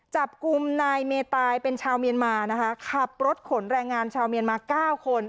จับกลุ่มนายเมตายเป็นชาวเมียนมานะคะขับรถขนแรงงานชาวเมียนมา๙คน